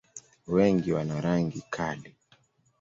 Wengi wana rangi kali.